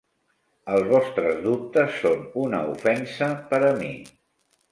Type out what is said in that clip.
Els vostres dubtes són una ofensa per a mi.